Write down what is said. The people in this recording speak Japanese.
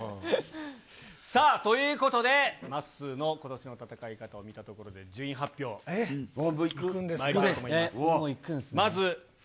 さあ、ということで、まっすーのことしの戦い方を見たところで、順位発表、まいりたいもういくんですね。